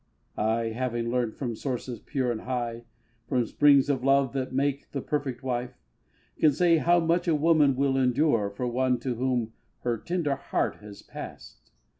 I, having learnt from sources pure and high, From springs of love that make the perfect wife, Can say how much a woman will endure For one to whom her tender heart has passed.